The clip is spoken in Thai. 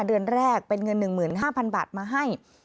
เดือนแรกเป็นเงิน๑๕๐๐๐บาทมาให้